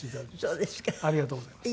ありがとうございます。